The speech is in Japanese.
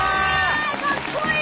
かっこいい！